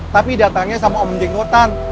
tapi datangnya sama om jenggotan